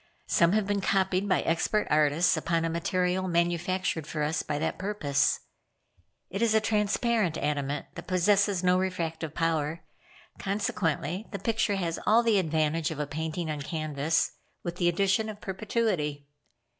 Some have been copied by expert artists upon a material manufactured by us for that purpose. It is a transparent adamant that possesses no refractive power, consequently the picture has all the advantage of a painting on canvas, with the addition of perpetuity.